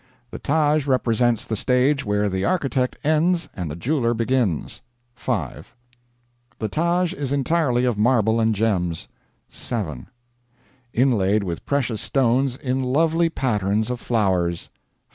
The Taj represents the stage where the architect ends and the jeweler begins 5. The Taj is entirely of marble and gems 7. Inlaid with precious stones in lovely patterns of flowers 5.